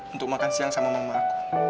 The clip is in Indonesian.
untuk makan siang sama mama aku